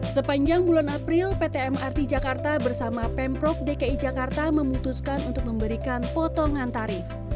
sepanjang bulan april pt mrt jakarta bersama pemprov dki jakarta memutuskan untuk memberikan potongan tarif